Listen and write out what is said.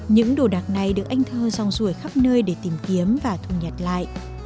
những đồ đạc này được anh thơ dòng rủi khắp nơi để tìm kiếm và thùng nhặt lại